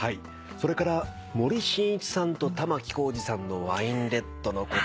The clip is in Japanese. それから森進一さんと玉置浩二さんの『ワインレッドの心』